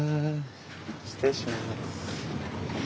失礼します。